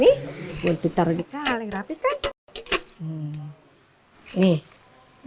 ini ini bu neng tuh uangnya vendal yang kec mache organization udah miss yang ber emit atau a banyak tuh ada